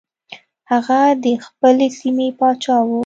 هغه د خپلې سیمې پاچا و.